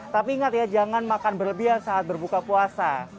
tapi ingat ya jangan makan berlebihan saat berbuka puasa